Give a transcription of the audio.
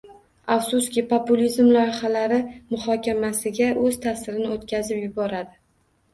Afsuski, populizm lojihalari muxokamasiga o'z ta'sirini o'tkazib yuboradi